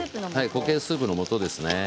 固形スープのもとですね。